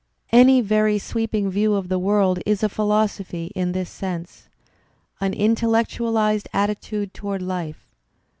Any very sweeping view of the world is a philosophy in this sense ... an intellectualized attitude toward life.